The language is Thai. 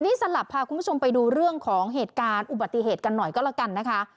นี่สลับพาคุณผู้ชมไปดูเรื่องของเหตุการณ์อุบัติเหตุกันหน่อยก็แล้วกันนะคะ